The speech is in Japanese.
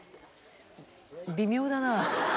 微妙だな。